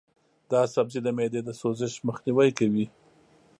دا سبزی د معدې د سوزش مخنیوی کوي.